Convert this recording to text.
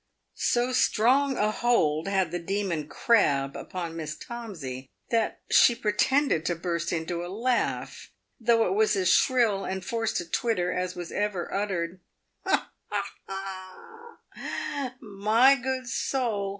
So strong a hold had the demon crab on Miss Tomsey, that she pretended to burst into a laugh, though it was as shrill and forced a twitter as ever was uttered. " My good soul